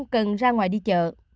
vậy f cần ra ngoài đi chợ